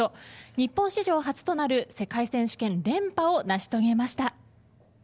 日本史上初となる世界選手権連覇を成し遂げました。